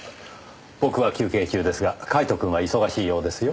僕は休憩中ですがカイトくんは忙しいようですよ。